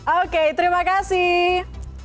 oke terima kasih